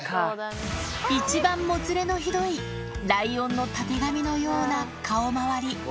一番もつれのひどいライオンのたてがみのような顔周り。